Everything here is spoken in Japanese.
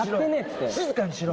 静かにしろ！